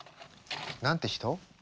何て人？